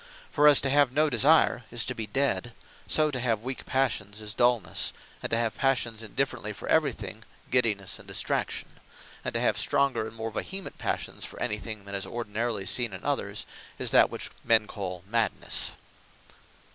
For as to have no Desire, is to be Dead: so to have weak Passions, is Dulnesse; and to have Passions indifferently for every thing, GIDDINESSE, and Distraction; and to have stronger, and more vehement Passions for any thing, than is ordinarily seen in others, is that which men call MADNESSE.